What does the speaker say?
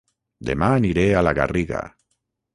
Dema aniré a La Garriga